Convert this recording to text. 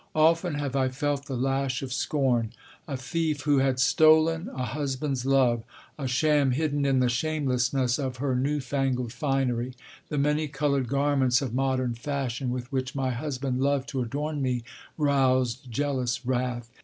Often have I felt the lash of scorn. "A thief who had stolen a husband's love!" "A sham hidden in the shamelessness of her new fangled finery!" The many coloured garments of modern fashion with which my husband loved to adorn me roused jealous wrath.